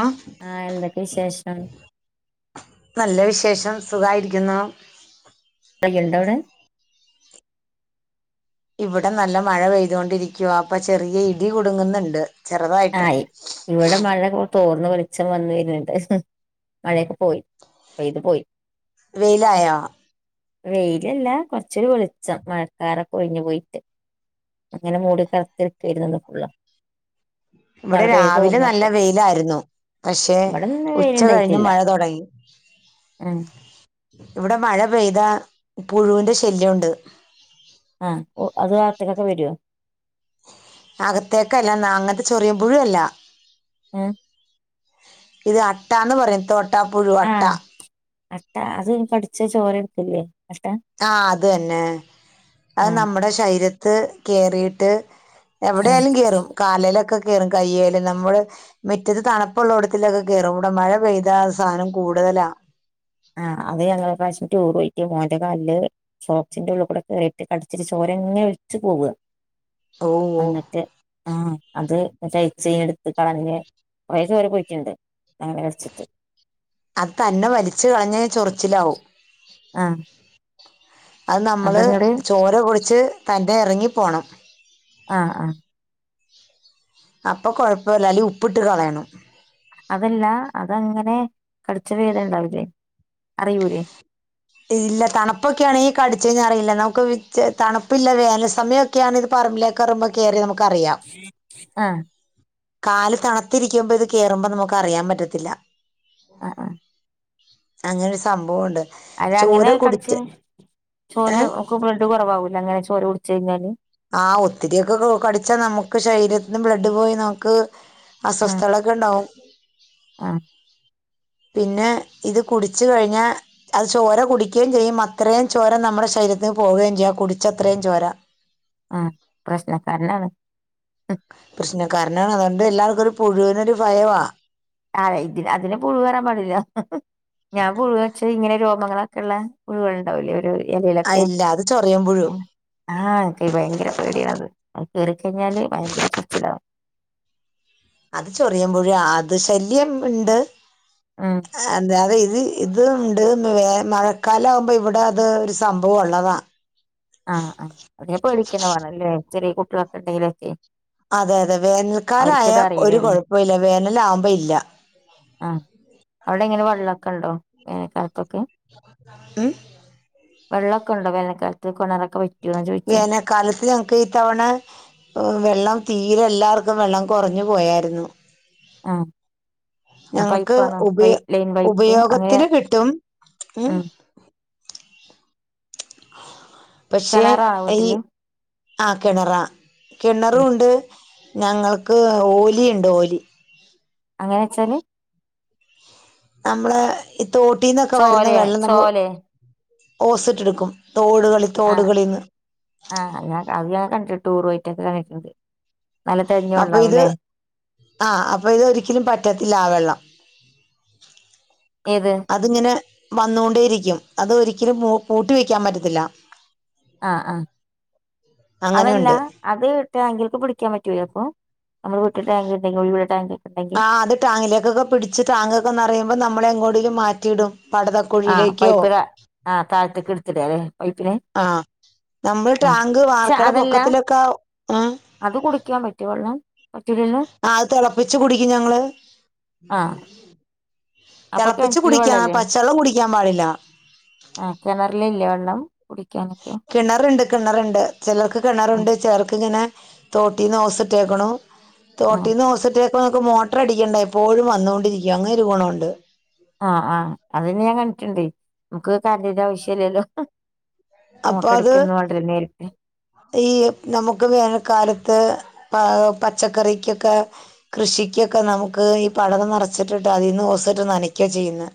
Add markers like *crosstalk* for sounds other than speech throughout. ആ ആഹ് എന്തൊക്കെ വിശേഷം നല്ല വിശേഷം സുഖായിരിക്കുന്നു പെയ്യ്ണ്ടവ്ടെ ഇവിടെ നല്ല മഴ പെയ്തുകൊണ്ടിരിക്കുവ അപ്പൊ ചെറിയ ഇടി കുടുങ്ങുന്ന്ണ്ട് ആയി് ഇവിടെ മഴ തോർന്ന് വെളിച്ചം വന്നു വര്ന്ണ്ട് മയെക്കെ പോയി പെയ്ത് പോയി വെയിലായോ വെയിലല്ല കൊർച്ചര് വെളിച്ചം മഴക്കാറോക്കെ ഒഴിഞ്ഞ് പോയി അങ്ങനെ മൂടി കർത്ത്ണ് *unintelligible* ഇവടെ രാവിലെ നല്ല തോർന്നപ്പോ വെയിലായിരുന്നു പക്ഷെ ഇവിടെന്ന് ഉച്ച കഴിഞ്ഞ് മഴ തൊടങ്ങി ഏ ഇവടെ മഴ പെയ്ത പുഴുവിന്റെ ശല്യമുണ്ട് ആ അത് അകത്ത്ക്കൊക്കെ വരോ അകത്തേക്കല്ല ന്ന അങ്ങൻത്തെ ചെറിയ പുഴു അല്ല ഏ ഇത് അട്ടാന്ന് പറിം തോട്ടാ പുഴു അട്ട അട്ടാ അത് കട്ച്ച ചോര എട്ക്കില്ലേ അട്ടാ ആ അത് തന്നെ അഹ് ആഹ് നമ്മുടെ ശരീരത്ത് കേറീട്ട് ആഹ് എവിടെയായാലും കേറും കാലലൊക്കെ കയറും കയ്യാലും നമ്മള് മറ്റത് തണുപ്പുള്ള ഇടത്തിലൊക്കെ കേറും ഇവിടെ മഴ പെയ്ത അത് സാധനം കൂടുതലാ. ആഹ് അത് ഞങ്ങളരാഷ്യം ടൂര് പോയിട്ട് മോന്റെ കല്ൽ ഷോക്സിന്റെ ഉള്ളിൽ കൂടെ കയറിട്ട് കടിച്ചിട്ട് ചോരങ്ങനെ ഒലിച്ച് പോവ ഓ ഓ ന്നിട്ട് ആഹ അത് *unintelligible* റ്റ് ചെയ എടുത്ത് കളഞ്ഞ *unintelligible* വരെ പോയിട്ടുണ്ട് ഞങ്ങെകടിച്ചിട്ട് അത് തന്നെ വലിച്ച് കളഞ്ഞ ചൊറിച്ചിലാവും. ആഹ് അത് നമ്മൾ അതങ്ങട് ചോര കുടിച്ച് തൻ്റെ ഇറങ്ങിപ്പോണം. ആ ആ അപ്പൊ കുഴപ്പല്ല അയില് ഉപ്പിട്ട് കളയണം അതല്ല അതങ്ങനെ കടിച്ച വേദന ണ്ടാവില്ലേ അറിയൂലേ? ഇല്ല തണുപ്പൊക്കെ ആണെങ്കിൽ കടിച്ചു കഞ്ഞറിയില്ല. നമുക്ക് തണുപ്പ ഇല്ല വേനൽ സമയൊ ഒക്കെയാണ് ഇത് പറമ്പിലേക്കേറി കേറുമ്പോ നമുക്കറിയാം ആഹ് കാല് തത്തിരിക്കുമ്പോ ഇത് കേറുമ്പോ നമുക്ക് അറിയാൻ പറ്റത്തില്ല ആ ആ അങ്ങനെരു സംഭവംണ്ട് അര്ങ്ങനെ കടിച്ചച്ച് ചോര ഏഹ് ഒക്ക ബ്ലഡ് കുറവകൂല അങ്ങനെ ചോര കുടിച്ച് കഴിഞ്ഞാല്? ആ ഒത്തിരിയക്കെ കടിച്ചാൽ നമുക്ക് ശരീരത്തിന് ബ്ലഡ് പോയി നമുക്ക് ആഹ് അസ്വസ്ഥത കളൊ അ ണ്ടാവും ആഹ് പിന്നെ ഇത് കുടിച്ച കഴിഞ്ഞാ അത് ചോര കുടിക്കയും ചെയ്യും അത്രയും ചോര നമ്മുടെ ശരീരത്തിന് പോവുകേം ചെയ്യാം കുടിച്ചത്രയും ചോര. ആഹ പ്രശ്ന കാരണാണ്. പ്രശ്നം കാരന്ണ് അതൊണ്ട് എല്ലാവർക്കും ഒരു പുഴുവിന ഒരു ഭയമാണ് അല്ല ഇതി അതിന് പുഴവ്വരാൻ പാടില്ല ഞാൻ പുഴു നെച്ച ഇങ്ങനെ രോമങ്ങളൊക്കെ ള്ള പുഴുകൾ ഉണ്ടാവിലേ ഒരു ആ ഇലയിലൊക്കെ? ഇല്ല അത് ചൊറിയൻ പുഴു ആഹ് ക്ക് ഭയങ്കര പേടിയണത്. കേറിക്കഴിഞ്ഞാല് ഭയങ്കര ചുറിച്ചിലാവും. അത് ചൊറിയുമ്പുഴേ അത് ശല്യം ഉണ്ട്. ഉം അന്ത അത് ഇത് ഇത് ഉണ്ട് മഴക്കാലം ആകുമ്പോൾ ഇവിടെ അത് ഒരു സംഭവം ഉള്ളതാ.. ആഹ് ആ അതിനെ പേടിക്കന്നേ വാണംല്ലേ ചെറിയ കുട്ടികൾക്കെ ഉണ്ടെങ്കിലൊക്കെ അതെ അതെ വേനൽക്കാലായ അവർക്കിത് ഒരു അറിയില്ലല്ലേ കുഴപ്പമില്ല വേനല ആകുമ്പോ ഇല്ല. ആഹ് അവിടെ എങ്ങനെ വെള്ളമൊക്കെ ഉണ്ടോ? വേനൽക്കാലത്തൊക്കെ? ഏഹ്? വെള്ളക്കെ ണ്ടോ വേനൽക്കാലത്ത് കൊണറൊക്കെ വ വേനക്കാ കാലത്തിൽ ഞങ്ങക്ക് ഈ തവണ വെള്ളം തീരെ എല്ലാവർക്കും വെള്ളം കുറഞ്ഞു പോയായിരുന്നു ആഹ് ആ ഞങ്ങക്ക് പൈപ്പാണോ പൈ ഉപയോ ലൈൻ പൈപ്പ് അങ്ങനെ ഉപയോഗത്തിന് കിട്ടും ആ ഉം ആ പക്ഷെ കിണറാണോ ഈ വീട്ടില് ആ കിണറ ഉം കിണറുണ്ട് ഞങ്ങൾക്ക് ഓലിണ്ട് ഓലി. അങ്ങനെച്ചാല്? നമ്മള് ഈ തോട്ടീന്നൊക്കെ വരുന്ന ചോലയാ വെള്ളം നമ്മൾ ഒ ചോലെ ഓസിട്ടെടുക്കും തോടുകളി ആഹ് തോടുകളിന്ന്. ആഹ് ഞാ അത് കണ്ടിട്ടു ടൂർ പോയിട്ടൊക്കെ കണ്ടിട്ടുണ്ട്. നല്ല തെളിഞ്ഞ അപ്പൊ ഇത് വെള്ളാവുല്ലേ ആ അപ്പൊ ഇത് ഒരിക്കലും പറ്റത്തില്ല ആ വെള്ളം. ഏത് അതിങ്ങനെ വന്നുകൊണ്ടേയിരിക്കും അത് ഒരിക്കലും പൂട്ടി വെക്കാൻ പറ്റത്തില്ല. ആഹ് ആഹ് അതല്ല അങ്ങനെയുണ്ട് അത് ടാങ്കില്ക്ക് പിടിക്കാൻ പറ്റൂലെ അപ്പോ നമ്മള് വീട്ടില് ടാങ്ക് ഉണ്ടെങ്കിൽ ഒഴിവുള്ള ടാങ്ക് ഒക്കെ ഉണ്ടെങ്കിൽ. ആഹ് അത് ടാങ്കിലേക്കൊക്കെ പിടിച്ച് ടാങ്ക് ഒക്കെ നിറയുമ്പോൾ നമ്മളെ എങ്ങോട്ടേലും മാറ്റിടും പടെ ആഹ് പൈപ്പ് ടാ ആ താഴത്തേക്ക് ടുത്തിടാ ല്ലേ പൈപ്പിനെ. ആഹ് നമ്മള് ടാങ്ക് വാർക്ക്ണ അതല്ല പൊക്കത്തിലൊക്കെ ഉം. അത് കുടിക്കാൻ പറ്റോ വള്ളം. ആഹ് അത് തിളപ്പിച്ച്ച് കുടിക്കും ഞങ്ങള്. ആഹ് തിളപ്പിച്ച് കുടിക്കണ്ണം വെള്ളല്ലേ പച്ചവെള്ളം കുടിക്കാൻ പാടില്ല. ആഹ് കിണറിലില്ലേ വെള്ളം കുടിക്കാനൊക്കെ കിണറ്ണ്ട് കിണറ്ണ്ട് ചിലർക്ക് ആ കിണറുണ്ട് ചിലർക്കിങ്ങനെ. തോട്ടിന്ന് ഹോസ്ട്ടേക്ക്ണു ആ തോട്ടീന്ന് ഹോസ്ട്ടേ ഇപ്പൊ ഞങ്ങക്ക് മോട്ടർ അടിക്കേണ്ട എപ്പോഴും വന്നുകൊണ്ടിരിക്കും അങ്ങനെ ഒരു ഗുണമുണ്ട്. ആഹ് ആഹ് അതിന് ഞാൻ കണ്ടിട്ടുണ്ട് നമുക്ക് കരണ്ടിന്റെ ആവശ്യല്ലല്ലോ അപ്പൊ മോട്ടർ അത് അടിക്കൊന്നും വാണ്ടല്ലോ നേരിട്ട് ഈ നമുക്ക് വേനൽക്കാലത്ത് പ പച്ചക്കറിക്കൊക്കെ കൃഷിക്കൊക്കെ നമുക്ക് ഈ പടവ് നിറച്ചിട്ടിട്ട് അതിൽന്ന് ഹോസിട്ട് നനക്ക ചെയ്യുന്നേ.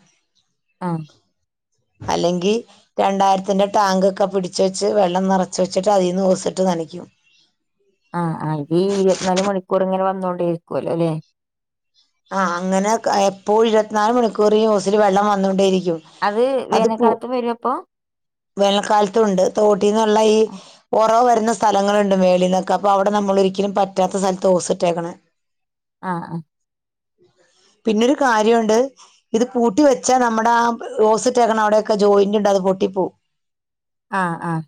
ആഹ് അല്ലെങ്കി രണ്ടായിരത്തിന്റെ ടാങ്ക് ഒക്കെ പിടിച്ച് വെച്ച് വെള്ളം നിറച്ച് വച്ചിട്ട് അതിൽന്ന് ഹോസിട്ട് നനക്കും. ആഹ് ആഹ് ഈ ഇരുവത്ത്നാല് മണിക്കൂറും ഇങ്ങനെ വന്നോണ്ടെ ഇരിക്കുവല്ലോ അല്ലെ ആഹ് അങ്ങനെക്കെ എപ്പോഴും ഇരുപത്തിനാല് മണിക്കൂർ ഈ ഹോസില് വെള്ളം വന്നോണ്ടേ ഇരിക്കും. അത് വേനൽക്കാലത്ത് വരോ അപ്പൊ വേനൽക്കാലത്തുണ്ട് തോട്ടിന്നുള്ള ഈ ആ ഒറവ വരുന്ന സ്ഥലങ്ങളുണ്ട് മേളിൽന്നൊക്കെ അപ്പൊ അവിടെ നമ്മള് ഒരിക്കലും പറ്റാത്ത സ്ഥലത്ത് ഓസിട്ടേക്കണേ. ആഹ് ആ. പിന്നൊരു കാര്യണ്ട് ഇത് പൂട്ടി വെച്ചാ നമ്മുടെ ആ ഓസിട്ടേക്കണ അവിടെയൊക്കെ ജോയിന്റ് ഉണ്ട് അത് പൊട്ടി പോവും. ആഹ് ആഹ്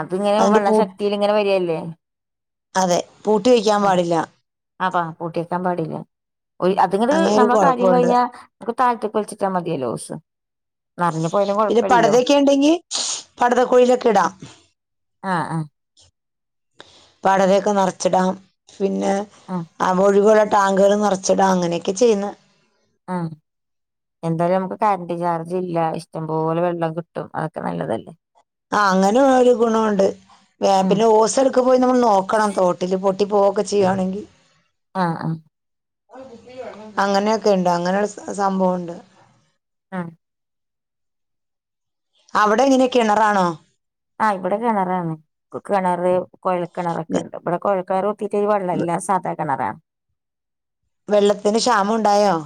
അത് ഇങ്ങനെ അതുകൊണ്ട് വെള്ളം പൂ ശക്തില് ഇങ്ങനെ വരല്ലേ അതെ പൂട്ടി വെക്കാൻ പാടില്ല. അപ്പാ പൂട്ടിയേക്കാൻ പാടില്ല. ഒരു അതുങ്ങെട് അങ്ങനെ ഒരു നമ്മെ കാര്യം കുഴപ്പമുണ്ട് കഴിഞ്ഞാൽ അത്പ്പോ താഴെത്ത്ക്ക് വലിച്ചിട്ടാ മതില്ലോ ഓസ്. നറഞ്ഞു പോയാലും കൊഴപ്പ പിന്നെ പട്തൊക്കെ ഉണ്ടെങ്കിൽ പട്ത കുഴിയിലൊക്കെ ഇടാം. ആഹ ആഹ് പടതൊയോക്കെ നിറച്ചിടാം പിന്നെ ആഹ് ആഹ് ഒഴിവുള്ള ടാങ്കുകൾ നിറച്ചിടാം അങ്ങനെയൊക്കെ ചെയ്യുന്ന്. ആഹ് എന്തായാലും നമുക്ക് കറണ്ട് ചാർജ് ഇല്ല ഇഷ്ടംപോലെ വെള്ളം കിട്ടും അതൊക്കെ നല്ലതല്ലേ ആ അങ്ങനെ ഒരു ഗുണോണ്ട് വെ ഉം പിന്നെ ഓസ്ടു ക്ക് പോയി നമ്മൾ നോക്കണം തോട്ടിൽ പൊട്ടി പോകൊക്കെ ചെയ്യുയാണെങ്കി ആഹ്ആഹ് അങ്ങനെയൊക്കെ എണ്ട് അങ്ങനെയുള്ള സംഭവുണ്ട് ആഹ് അവിടെ ഇങ്ങനെ കിണറാണോ ആഹ് ഇവിടെ കെണറാണ് ക്ക് കെണറ് കോഴൽ കെണർ ഒക്കെ നി- ണ്ട് ഇവിടെ കുഴൽ കെണർ കുത്തീട്ട് അഴീ വെള്ള ഇല്ല വെ- സാധാ കെണറാണ് വെള്ളത്തിന് ക്ഷാമം ണ്ടായോ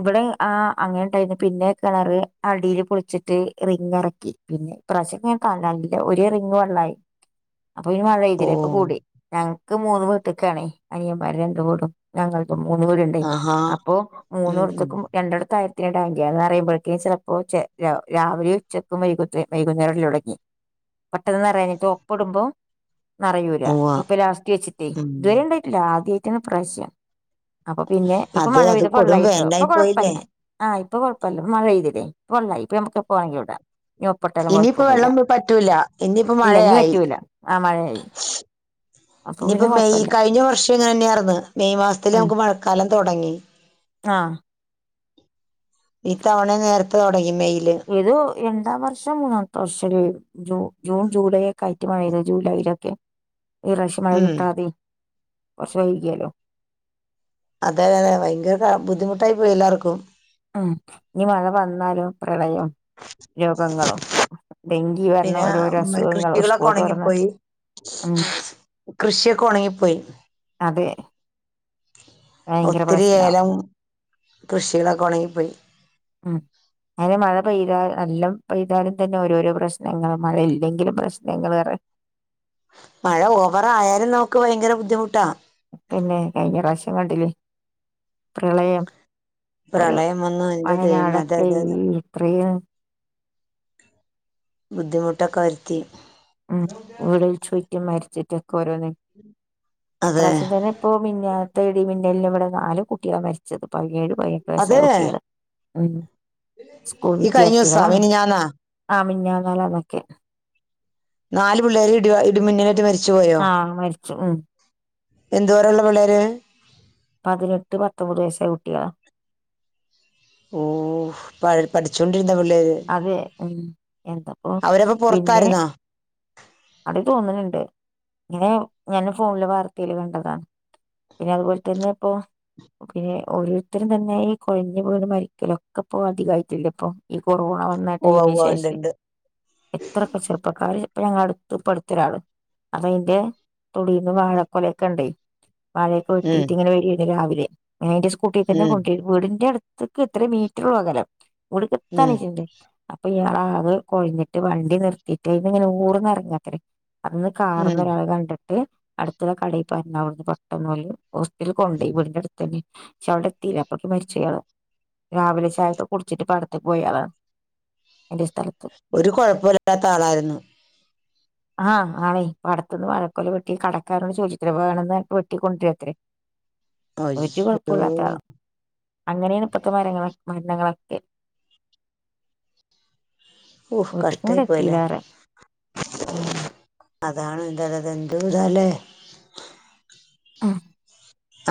ഇവിടെ ആഹ് അങ്ങനെ ണ്ടായിരുന്നു പിന്നെ കിണർ അടീല് പൊളിച്ചിട്ട് റിംഗ് എറക്കി. പിന്നെ ഇപ്രാവശ്യം ഞാൻ കണ്ടാലും ന്നു ഒരേ റിങ്ങ് വെള്ളായി അപ്പൊ ഇനി മഴ ഓ പെയ്തില്ല ഇപ്പൊ കൂടി ഞങ്ങക്ക് മൂന്ന് വീട്ടിക്ക് ആണേ അനിയന്മാര് രണ്ടു വീടും ഞങ്ങൾക്കും മൂന്ന് വീട് ഇണ്ടേ ആഹാ അപ്പൊ മൂന്ന് ഉം ഉം എടുത്തേക്കും രണ്ടിടത്ത് ആയിരത്തിൻ്റ ടാങ്ക അത് *unintelligible* ചിലപ്പോ ഛെ രാ രാവിലെ ഉച്ചയ്ക്കും വൈകിട്ടെ വൈകുന്നേരിലുടങ്ങി പെട്ടെന്ന് നെറയിനി ഒപ്പടുമ്പോ നിറയൂല ഉവ്വ ഇപ്പൊ ലാസ്റ്റ് വെച്ചിട്ടേ ഉം ഇതുവരെ ഇണ്ടായിട്ടില്ല ആദ്യയിട്ടാണ് ഇപ്രാവശ്യം അപ്പൊ പിന്നെ ഇപ്പൊ അത് മഴ അത് പെയ്ത അപ്പോ കൊടും വെള്ളായിട്ടോ ഇപ്പൊ വേനലായി പോയില്ലേ കൊഴപ്പല്ല ആഹ് ഇപ്പൊ കൊയപ്പം ഇല്ല മഴ പെയ്തില്ലേ ഇപ്പൊ വെള്ളായി ഇപ്പോ നമുക്ക് എപ്പോ വെണെങ്കിലും ഇടാം ഇനി ഒപ്പട്ടാലും ഇനിയിപ്പ കുഴപ്പൊന്നുല്ല വെള്ളം പറ്റൂല ഇനിയിപ്പ ഇല്ല ഇനി മഴയായി പറ്റൂല ആഹ് മഴയായി അപ്പൊ പിന്നെ ഇനിയിപ്പോ മെയ് കൊഴപ്പല്ല കഴിഞ്ഞ വർഷം ഇങ്ങനന്നെയാർന്ന് മെയ് മാസത്തില് ഉം നമുക്ക് മഴക്കാലം തൊടങ്ങി ആഹ് ഈ തവണയും നേരത്തെ തൊടങ്ങി മെയില് ഏതോ എണ്ടാം വർഷം മൂന്നാമത്തെ വർഷം അല്ലെ ജൂ ജൂൺ ജൂലൈ എക്ക ആയിട്ട് മഴയെയ്തു ജൂലൈയില് ഒക്കെ ഈറാവശ്യം മഴ ഉം കിട്ടാതെ വർഷം *unintelligible* അതെ ഭയങ്കര ബുദ്ധിമുട്ടായി പോയി എല്ലാർക്കും ഉം ഇനി മഴ വന്നാലും പ്രളയം രോഗങ്ങളും ഡെങ്കി വരണ പിന്നെ ഓരോരോ ഉം, അസുഖങ്ങളും കൃഷികളൊക്കെ സ്കൂൾ തുറന്ന ഉണങ്ങിപ്പോയി ഉം കൃഷിയൊക്കെ ഒണങ്ങിപ്പോയി അതെ ഒത്തിരി പ്രശ്നാവും ഏലം കൃഷികള് ഒക്കെ ഒണങ്ങിപ്പോയി ഉം അങ്ങനെ മഴ പെയ്താ നല്ലം പെയ്താലും തന്നെ ഓരോരോ പ്രശ്നങ്ങൾ മഴയില്ലെങ്കിലും പ്രശ്നങ്ങളാണ് മഴ ഓവറായാലും നമുക്ക് ഭയങ്കര ബുദ്ധിമുട്ടാ പിന്നെ കഴിഞ്ഞ പ്രാവശ്യം കണ്ടില്ലേ പ്രളയം ഒരു പ്രളയം വന്നു എന്റെ ദൈവമേ അതെ വയനാടൊക്കെ അതെ അതെ ഈ ഇത്രയും ബുദ്ധിമുട്ടൊക്കെ വരുത്തി ഉം വീടിൽ ചുറ്റും മരച്ചിട്ടൊക്കെ ഓരോന്ന് അതെ ഇപ്രാശ്യം തന്നെ ഇപ്പോ മിൻഞ്ഞാന്നത്തെ ഇടിം മിന്നലിനും ഇവിടെ നാല് കുട്ടികളി മരിച്ചത് പതിനേഴ് പതിനെട്ട് വയസ്സായ അതെ കുട്ടികള് ഉം സ്കൂൾ ഈ കഴിഞ്ഞ ദിവസാ വിദ്യാർത്ഥികളാണോ മിനിഞ്ഞാന്നാ ആ മിഞ്ഞാന്നാലാന്നൊക്കെ നാല് പിള്ളേര് ഇ ഇടി ഇടി മിന്നലേറ്റ്‌ മരിച് ആഹ് മരിച്ചു ഉം എന്തോരം ഉള്ള പിള്ളേര് ആ പതിനെട്ട് പത്തൊമ്പത് വയസ്സായ കുട്ടികളാ ഓഹ് പഠിച്ചോണ്ടിരുന്ന പിള്ളേര് അതെ ഉം ഇന്നിപ്പൊ അവരപ്പ പിന്നെ പുറത്തായിരുന്നോ അത് തോന്നലിണ്ട് ഇങ്ങനെ ഞാൻ ഫോണില് വാർത്തേല് കണ്ടതാ പിന്നെ അതുപോലെ തന്നെ ഇപ്പൊ പിന്നെ ഓരോരുത്തരും തന്നെ ഈ കൊഴഞ്ഞ് വീണ് മരിക്കല് ഒക്കെ പോ അധികായിട്ടില്ല ഇപ്പൊ കൊറോണ വന്ന ഉവ്വ ടൈമിന് ഉവ്വ ഉണ്ട് ശേഷേ ഉണ്ട് ഇത്രക്കെ ചെറുപ്പക്കാര് ഇപ്പ ഞങ്ങട അടുത്തൊരാള് അപ്പ അയിന്റെ തൊടീന്ന് വാഴക്കൊലൊക്കെ ഇണ്ടേ വാഴേക്കെ ഉം വെട്ടീട്ട് ഇങ്ങനെ വരേനി രാവിലെ ഞാനന്റെ സ്കൂട്ടി തന്നെ ഉം കൊണ്ടീരും വീടിന്റെ അടുത്തക്ക് എത്ര മീറ്റർള്ള അകലം ഉം *unintelligible* അപ്പൊ ഇയാള ആക കൊഴഞ്ഞിട്ട് വണ്ടി നിർത്തിയിട്ട് അയിലിന്ന് ഇങ്ങനെ ഊർന്നെറങ്ങാത്രെ. അതീന്ന് ഉം കാറീന്നൊരാള് കണ്ടിട്ട് അടുത്തുള്ള കടയിപ്പറഞ്ഞു അവിടുന്ന് പെട്ടെന്ന് ഓല് ഹോസ്പിറ്റലി കൊണ്ട് വിടിന്റെ അടുത്തന്നെ. ച്ച അവടെ എത്തീല അപ്പോക്ക് മരിച്ചയാള് രാവിലെ ചായൊക്കെ കുടിച്ചിട്ട് പട റ്റ പോയാലാണ് എന്റെ സ്ഥലത്ത് ഒരു കൊഴപ്പൊല്ലാത്ത ആളായിരുന്നു *inaudible* ആഹ് ആന്നെ പടത്തനിന്ന് വഴക്കൊല്ല വെട്ടി കടക്കാരോ ചോദിച്ചട്ടേ വേണന്ന്ട്ട വെട്ടി കൊണ്ടുവരുത്രേ. ഒരു അയ്യോ കുഴപ്പല്ലാത്ത ആള അങ്ങനെണുപ്പത്തെ മരങ്ങള മരുന്നങ്ങളൊക്കെ. ഊഹ് വീട്ടിക്കും കഷ്ട്ടായി കൂടെ പോയല്ല. എത്തില്ലാറയാ ഉം അതാണ് എന്താല അത് എന്ത് ഇതല്ലേ. അഹ്.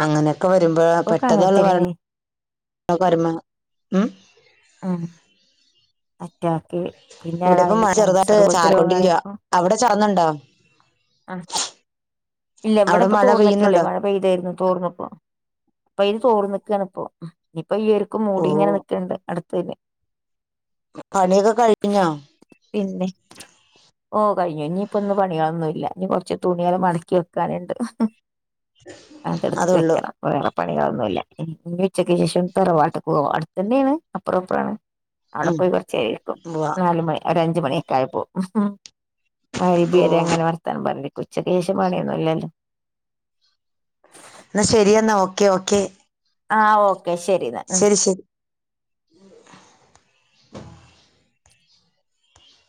അങ്ങനെയൊക്കെ വരുമ്പോ പെട്ടെന്നുള്ള വരണം അങ്ങനത്തന്നെ *unintelligible* ഉം ഉം അറ്റാക്ക് പിന്നെ ഇവിടെ ഇപ്പം അതാണെക്ക് മഴ ക്യാൻസർ ചെറുതായിട്ട് പോലത്തെ രോഗങ്ങണ ചാറിക്കൊണ്ടിരിക്കുവാ ഇപ്പൊ. അവിടെ ചേർന്നണ്ടോ. ആ ഇല്ല ഇവിടെ ഇപ്പ തോർന്നിട്ടുള്ളേ മഴ പെയ്തായിരുന്നു തോർന്നപ്പോ അപ്പൊ ഇത് തോർ നിക്കാണ് ഇപ്പോ. ഇനിപ്പോ ഈ *unintelligible* ഓ മൂടി ഇങ്ങനെ ന്ക്കണ്ട് അടുത്തെന്. പണിയൊക്കെ കഴിഞ്ഞാ. പിന്നെ ഓ കഴിഞ്ഞഴിഞ് ഇനിയിപ്പൊന്ന പണികളൊന്നുംല്ല ഇനി കുറച്ച് തുണിയാള് മടക്കി വെ *unintelligible* അത എടുത്ത് അതുള്ളു വെക്കണം. വേറെ പണികളൊന്നുല്ല ഇ ഇനിച്ചക്ക ശേഷം തറവാട്ട് ക്ക്‌ പോവാ അടുതന്നെണ് അപ്പറം ഇപ്പുറാണ്. അവടെ ഉം പോയി കുറച്ചേരക്കും ഉവ്വ നാല് മണി ഒര് അഞ്ചു മണിയൊക്കെ ആയപ്പോവും ഉം ഹു. ഓ മയിരിബിയരെ ങ്ങനെ വർത്താനം പറഞ്ഞിക്കും ച്ചയ്ക്കേശേം പണിയൊന്നും ഇല്ലല്ലോ. ന്നാ ശരി എന്നാ ഓക്കെ ഓക്കെ. ആഹ് ഓക്കെ ശരിന്നാ ഉം. ശരി ശരി